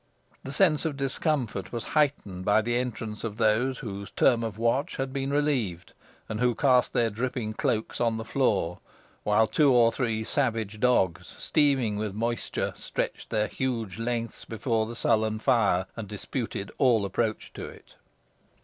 The sense of discomfort, was heightened by the entrance of those whose term of watch had been relieved, and who cast their dripping cloaks on the floor, while two or three savage dogs, steaming with moisture, stretched their huge lengths before the sullen fire, and disputed all approach to it.